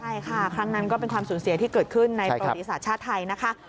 ใช่ค่ะครั้งนั้นก็เป็นความสูญเสียที่เกิดขึ้นในประวัติศาสตร์ชาติไทยนะคะ